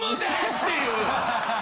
っていう。